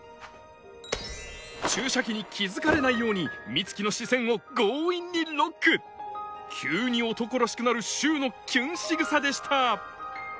注射器に気付かれないように美月の視線を強引にロック急に男らしくなる柊のキュン仕草でした